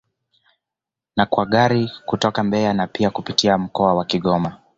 Na kwa Gari kutoka Mbeya na pia kwa kupitia mkoa wa Kigoma